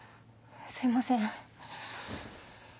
すいません。